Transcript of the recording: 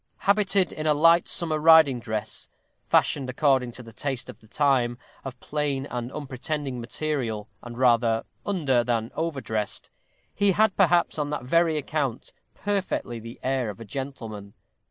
Habited in a light summer riding dress, fashioned according to the taste of the time, of plain and unpretending material, and rather under than overdressed, he had, perhaps, on that very account, perfectly the air of a gentleman.